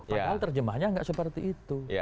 padahal terjemahnya nggak seperti itu